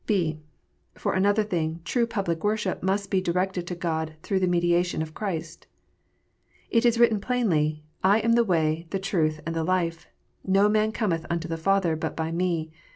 (b) For another thing, true public worship must be directed to God through the mediation of CJirist. It is written plainly, " I am the way, the truth, and the life : no man cometh unto the Father, but by Me."